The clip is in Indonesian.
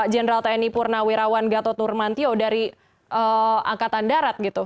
general tni purnawirawan gatotur mantio dari angkatan darat gitu